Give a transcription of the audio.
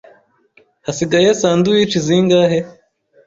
Hasigaye sandwiches zingahe?